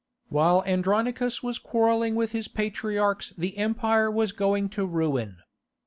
While Andronicus was quarrelling with his patriarchs the empire was going to ruin.